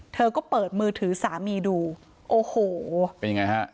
เธอก็เปิดมือถือสามีดูโอ้โหเป็นยังไงฮะ